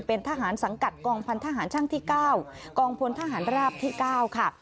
เป็นทหารสังกัดกองพันธหารช่างที่๙กองพลทหารราบที่๙ค่ะ